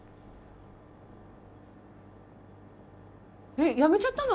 えっ辞めちゃったの！？